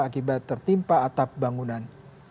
akibat tertimpa atap bangunan